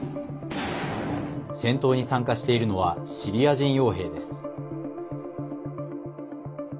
戦闘に参加しているのはシリア人よう兵です。